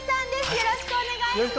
よろしくお願いします。